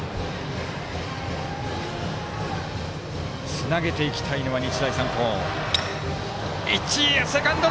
つなげていきたいのは日大三高。